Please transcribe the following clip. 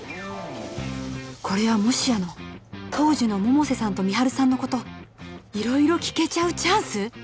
これはもしやの当時の百瀬さんと美晴さんのこと色々聞けちゃうチャンス？